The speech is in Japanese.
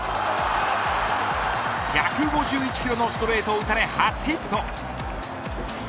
１５１キロのストレートを打たれ初ヒット。